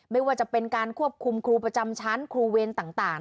ไม่ว่าจะเป็นการควบคุมครูประจำชั้นครูเวรต่าง